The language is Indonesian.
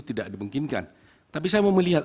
tidak dimungkinkan tapi saya mau melihat